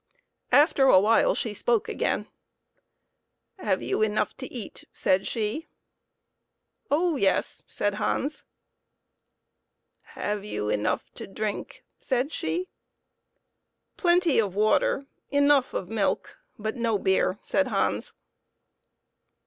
After a while she spoke again. " Have you enough to eat ?" said she. " Oh yes !" said Hans. " Have you enough to drink ?" said she. " Plenty of water, enough of milk, but no beer," said Hans.